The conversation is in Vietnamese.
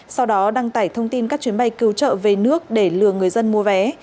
sau đó đăng tải thông tin các chuyến bay cứu trợ về nước để lừa người dân mua vé